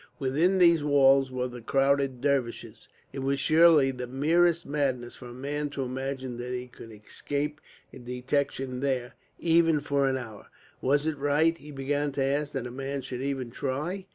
Within those walls were the crowded Dervishes. It was surely the merest madness for a man to imagine that he could escape detection there, even for an hour. Was it right, he began to ask, that a man should even try?